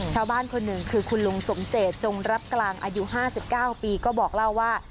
ชาวบ้านคนหนึ่งคือคุณลุงสมเจตจงรับกลางอายุ๕๙ปีก็บอกเล่าว่า